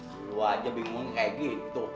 dulu aja bingung kayak gitu